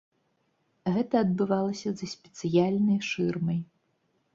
Гэта адбывалася за спецыяльнай шырмай.